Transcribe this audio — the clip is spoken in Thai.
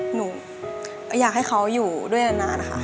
หนูอยากให้เขาอยู่ด้วยนานค่ะ